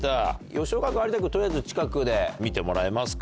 吉岡君有田君取りあえず近くで見てもらえますか？